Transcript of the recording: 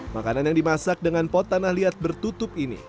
makanan yang dimasak dengan pot tanah liat bertutup ini